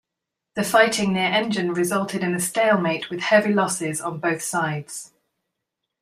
The fighting near Engen resulted in a stalemate with heavy losses on both sides.